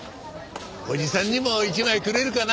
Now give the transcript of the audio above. おじさんにも一枚くれるかな？